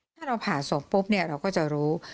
ถ้าเราผ่าศพปุ๊บเนี่ยเราก็จะรู้